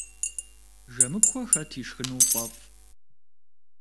Жэмыкуэ хэт ишхыну фӏэфӏ?